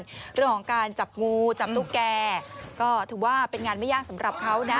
เรื่องของการจับงูจับตุ๊กแกก็ถือว่าเป็นงานไม่ยากสำหรับเขานะ